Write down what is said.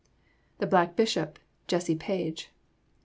The Black Bishop, Jesse Page.